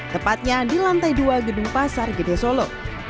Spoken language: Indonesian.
tepatnya di lantai dua gedung pasar gede solo